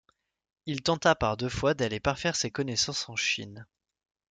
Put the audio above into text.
Il tenta par deux fois d'aller parfaire ses connaissances en Chine.